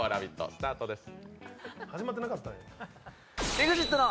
スタートです。